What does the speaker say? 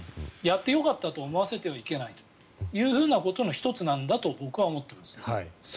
やってよかったと思わせてはいけないということの１つなんだと僕は思っています。